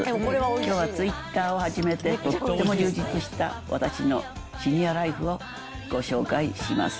きょうはツイッターを始めてとっても充実した、私のシニアライフをご紹介します。